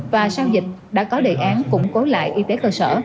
và sau dịch đã có đề án củng cố lại y tế cơ sở